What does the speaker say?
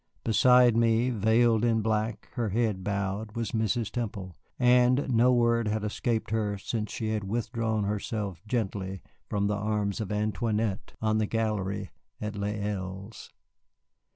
Beside me, veiled in black, her head bowed, was Mrs. Temple, and no word had escaped her since she had withdrawn herself gently from the arms of Antoinette on the gallery at Les Îles.